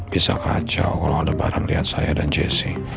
bisa kacau kalo aldebaran liat saya dan jessi